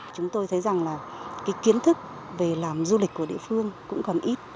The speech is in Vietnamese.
chúng tôi thấy rằng là cái kiến thức về làm du lịch của địa phương cũng còn ít